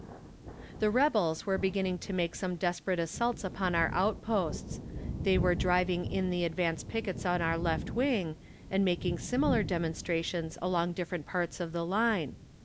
The rebels were beginning to make some desperate assaults upon our outposts; they were driving in the advance pickets on our left wing, and making similar demonstrations along different parts of the line.